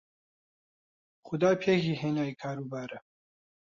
خودا پێکی هێنای کار و بارە